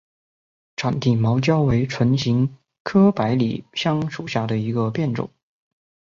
展毛地椒为唇形科百里香属下的一个变种。